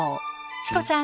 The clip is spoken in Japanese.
チコちゃん